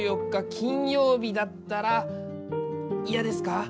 金曜日だったら嫌ですか？